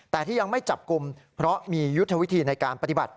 แต่ที่ยังไม่จับกลุ่มเพราะมียุทธวิธีในการปฏิบัติ